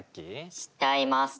しちゃいますね。